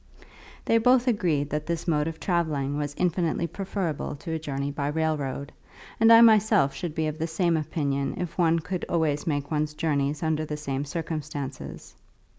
They both agreed that this mode of travelling was infinitely preferable to a journey by railroad, and I myself should be of the same opinion if one could always make one's journeys under the same circumstances.